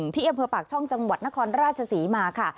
ที่เอียงเผือปากช่องจังหวัดนครราชสีมาค่ะ